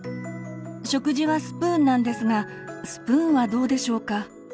食事はスプーンなんですがスプーンはどうでしょうか？